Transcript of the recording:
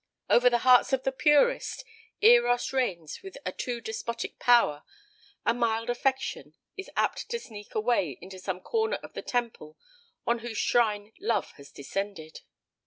Over the hearts of the purest Eros reigns with a too despotic power, and mild affection is apt to sneak away into some corner of the temple on whose shrine Love has descended.